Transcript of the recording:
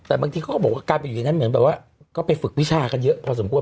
แต่บางทีเขาก็บอกว่าการไปอยู่ในนั้นเหมือนแบบว่าก็ไปฝึกวิชากันเยอะพอสมควร